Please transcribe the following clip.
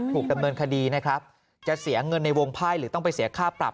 ถูกดำเนินคดีนะครับจะเสียเงินในวงไพ่หรือต้องไปเสียค่าปรับ